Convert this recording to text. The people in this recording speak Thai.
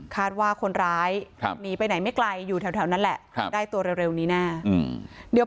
คาดว่าคนร้ายหนีไปไหนไม่ไกลอยู่แถวนั้นแหละได้ตัวเร็วนี้แน่